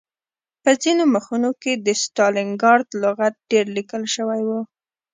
په ځینو مخونو کې د ستالنګراډ لغت ډېر لیکل شوی و